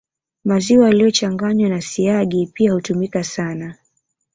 Maziwa yaliyochanganywa na siagi pia hutumika sana